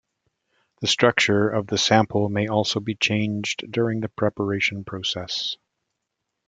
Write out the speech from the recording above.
The structure of the sample may also be changed during the preparation process.